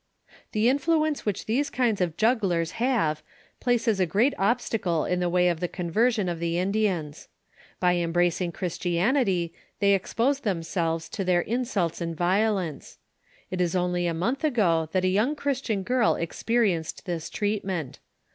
*' The influenoe which theae kinda of Jugglera have plaeea a great obitaole in the way of the oonveriion of the Indiana By embracing Ghriatianity, they ox |)oio themwlvoa to their inaulta and violence, It ia only a month ago that a young Christian girl experienced thia treatment.